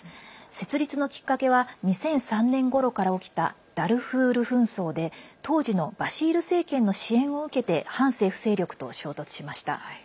設立のきっかけは２００３年ごろから起きたダルフール紛争で、当時のバシール政権の支援を受けて反政府勢力と衝突しました。